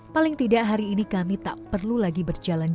paling tidak hari ini kami tak perlu lagi berjalan jalan